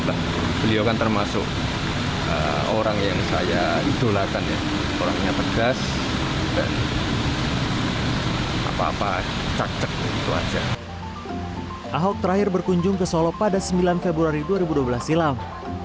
ahok terakhir berkunjung ke solo pada sembilan februari dua ribu dua belas silam